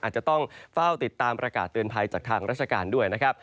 อาจจะต้องเฝ้าติดตามประกาศเตือนภัยจากทางราชการด้วยนะครับ